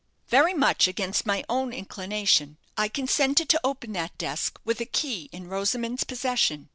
"Very much against my own inclination, I consented to open that desk with a key in Rosamond's possession.